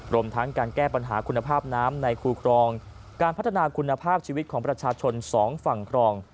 รวมทั้งการแก้ปัญหาคุณภาพน้ำในคูครองการพัฒนาคุณภาพชีวิตของประชาชนสองฝั่งครอง